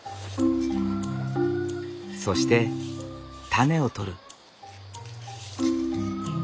そしてタネを取る。